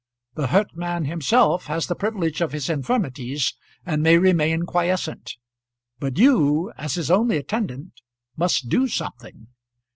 The hurt man himself has the privilege of his infirmities and may remain quiescent; but you, as his only attendant, must do something.